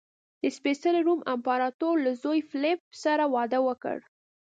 د سپېڅلي روم امپراتور له زوی فلیپ سره واده وکړ.